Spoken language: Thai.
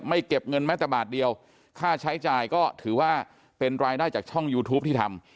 เก็บเงินแม้แต่บาทเดียวค่าใช้จ่ายก็ถือว่าเป็นรายได้จากช่องยูทูปที่ทำ